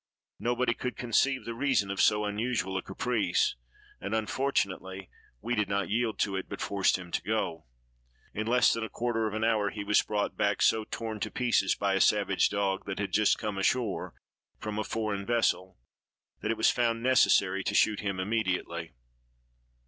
Nobody could conceive the reason of so unusual a caprice; and, unfortunately, we did not yield to it, but forced him to go. In less than a quarter of an hour he was brought back, so torn to pieces, by a savage dog that had just come ashore from a foreign vessel, that it was found necessary to shoot him immediately.